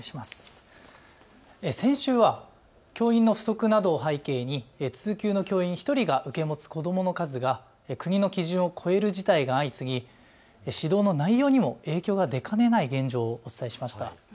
先週は教員の不足などを背景に通級の教員１人が受け持つ子どもの数が国の基準を超える事態が相次ぎ指導の内容にも影響が出かねない現状をお伝えしました。